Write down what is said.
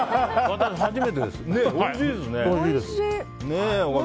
私初めてです、おいしいですね。